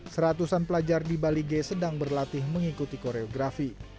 seratusan pelajar di bali g sedang berlatih mengikuti koreografi